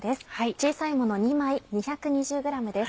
小さいもの２枚２２０ｇです。